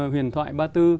huyền thoại ba tư